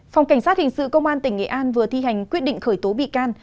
phòng cảnh sát hình sự công an tỉnh nghệ an vừa thi hành quyết định khởi tố bị can